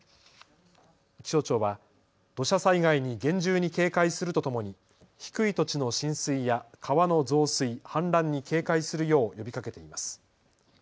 気象庁は土砂災害に厳重に警戒するとともに低い土地の浸水や川の増水、氾濫に警戒するよう呼びかけています。